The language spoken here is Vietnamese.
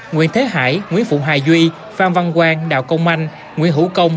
nguyễn thế hải nguyễn phụ hài duy phan văn quang đạo công anh nguyễn hữu công